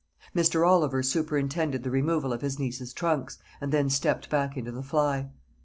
Mr. Oliver superintended the removal of his niece's trunks, and then stepped back into the fly.